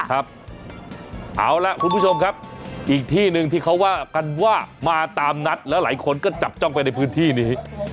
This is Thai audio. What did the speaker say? เอาล่ะคุณผู้ชมครับอีกที่หนึ่งที่เขาว่ากันว่ามาตามนัดแล้วหลายคนก็จับจ้องไปในพื้นที่นี้